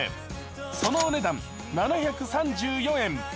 そのお値段７３４円。